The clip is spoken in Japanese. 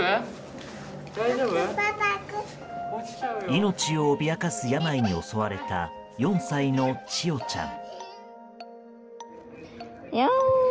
命を脅かす病に襲われた４歳の千与ちゃん。